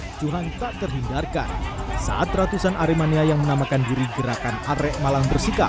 hai cuan tak terhindarkan saat ratusan aremania yang menamakan diri gerakan arek malang bersikap